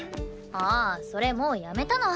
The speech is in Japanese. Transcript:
ああそれもうやめたの。